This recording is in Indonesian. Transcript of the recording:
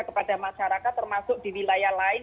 kepada masyarakat termasuk di wilayah lain